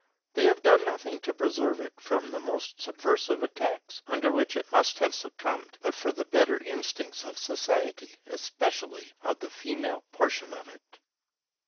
They have done nothing to preserve it from the most subversive attacks, under which it must have succumbed, but for the better instincts of society, especially of the female portion of it.